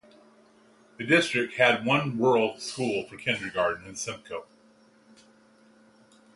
The district had one rural school for kindergarten in Symco.